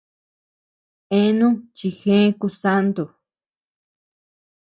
Eanu chi jëe kusanto.